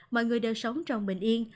mọi người đều sống trong bình yên